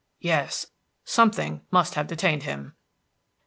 "Yes, something must have detained him!"